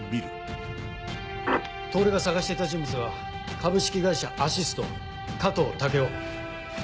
透が捜していた人物は株式会社アシスト加藤武夫。